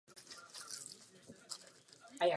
Proto podporuji zpravodajovy návrhy v tomto směru.